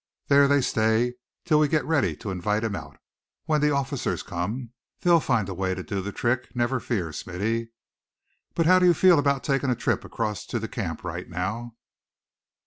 There they stay till we get ready to invite 'em out. When the officers come, they'll find a way to do the trick, never fear, Smithy. But how do you feel about taking a trip across to the camp right now?"